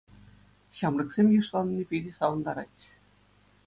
Ҫамрӑксем йышланни питӗ савӑнтарать.